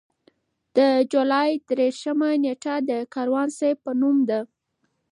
د جولای دېرشمه نېټه د کاروان صیب په نوم ده.